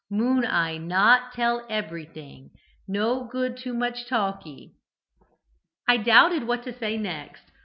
Moon eye not tell eberything. No good too much talkee.' "I doubted what to say next.